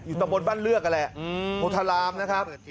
อยู่ตรงบนบ้านเลือกนั่นแหละโอทารามนะครับ